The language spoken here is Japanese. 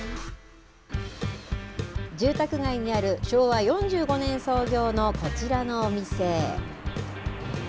住宅街にある、昭和４５年創業のこちらのお店。